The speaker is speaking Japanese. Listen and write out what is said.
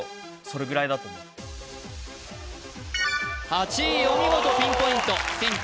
それぐらいだと思う８位お見事ピンポイント